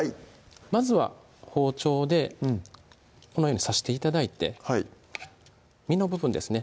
まずは包丁でこのように刺して頂いて身の部分ですね